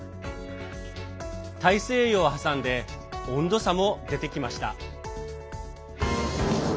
大西洋を挟んで温度差も出てきました。